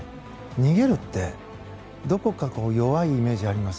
逃げるってどこか弱いイメージ、あります。